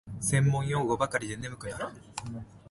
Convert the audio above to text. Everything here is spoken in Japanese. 専門用語ばかりで眠くなる